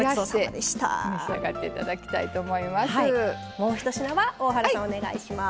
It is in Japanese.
もうひと品は大原さん、お願いします。